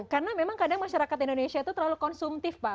karena memang kadang masyarakat indonesia itu terlalu konsumtif pak